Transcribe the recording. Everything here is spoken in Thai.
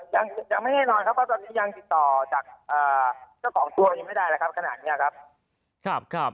ยังไม่แน่นอนครับเพราะตอนนี้ยังติดต่อจากเจ้าของตัวยังไม่ได้แล้วครับขนาดนี้ครับ